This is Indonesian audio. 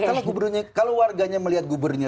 kalau gubernurnya kalau warganya melihat gubernurnya